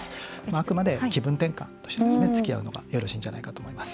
あくまで気分転換としてつきあうのがよろしいんじゃないかと思います。